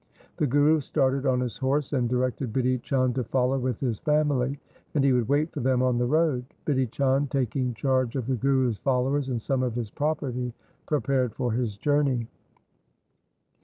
The Guru started on his horse, and directed Bidhi Chand to follow with his family, and he would wait for them on the road. Bidhi Chand, taking charge of the Guru's followers and some of his property, prepared for his journey.